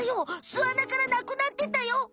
すあなからなくなってたよ！